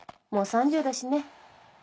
もう３０だしね。